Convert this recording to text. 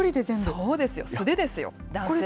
そうですよ、素手ですよ、男性は。